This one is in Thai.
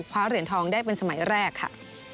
คว้าเหรียญทองได้เป็นสมัยแรกค่ะ